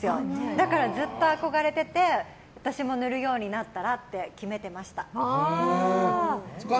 だから、ずっと憧れてて私も塗るようになったらって決めてました。